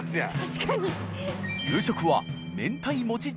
確かに